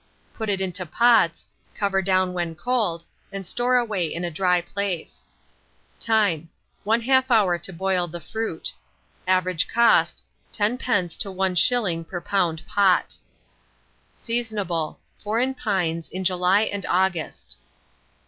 Put it into pots, cover down when cold, and store away in a dry place. Time. 1/2 hour to boil the fruit. Average cost, 10d. to 1s. per lb. pot. Seasonable. Foreign pines, in July and August.